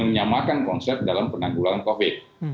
dan menyamakan konsep dalam penanggulangan covid